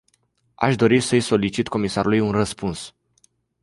Aș dori să-i solicit comisarului un răspuns.